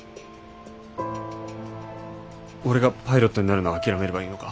俺がパイロットになるの諦めればいいのか？